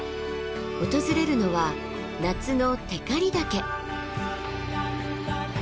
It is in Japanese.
訪れるのは夏の光岳。